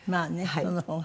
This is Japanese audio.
その方が。